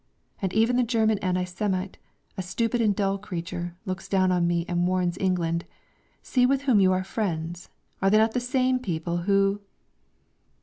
And even the German anti Semite, a stupid and dull creature, looks down at me and warns England: "See with whom you are friends? Are they not the same people who...?"